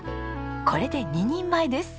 これで２人前です。